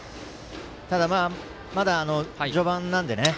ただ、まだ序盤なので。